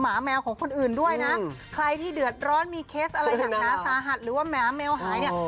หมาแมวของคนอื่นด้วยนะใครที่เดือกร้อนมีเคสเอานัสรหัสหรือว่าแมวหายเนี่ย